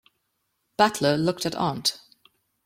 Butler looked at aunt.